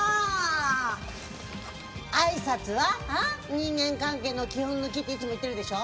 人間関係の基本のキっていつも言ってるでしょ。